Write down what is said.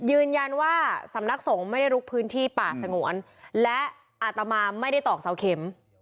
ยืนยันว่าสำนักสงฆ์ไม่ได้ลุกพื้นที่ป่าสงวนและอาตมาไม่ได้ตอกเสาเข็ม